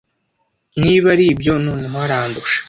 Niba aribyo, noneho arandusha.